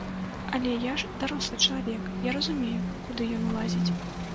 Але я ж дарослы чалавек, я разумею, куды ён ўлазіць.